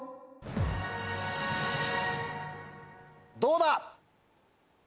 どうだ！